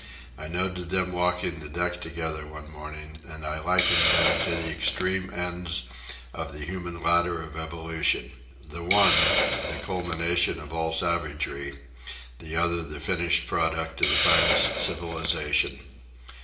I noted them walking the deck together one morning, and I likened them to the extreme ends of the human ladder of evolution—the one the culmination of all savagery, the other the finished product of the finest civilization.